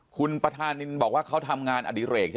คุณประธานินบุคคลบอกว่าเขาทำงานอะดิเหลก